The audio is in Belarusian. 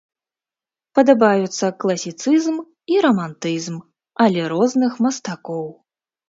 Падабаюцца класіцызм і рамантызм, але розных мастакоў.